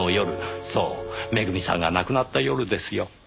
そうめぐみさんが亡くなった夜ですよ。